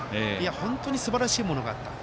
本当にすばらしいものがあった。